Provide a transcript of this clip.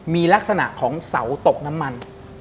มีลักษณะของเสาตกน้ำมัน